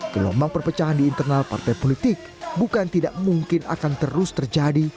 gelombang perpecahan di internal partai politik bukan tidak mungkin akan terus terjadi